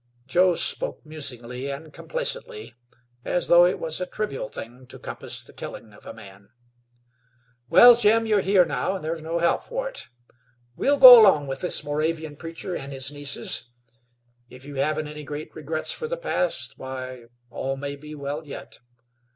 Joe spoke musingly and complacently as though it was a trivial thing to compass the killing of a man. "Well, Jim, you're here now, and there's no help for it. We'll go along with this Moravian preacher and his nieces. If you haven't any great regrets for the past, why, all may be well yet.